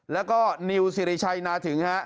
แล้วก็นิวสิริชัยนาถึงฮะ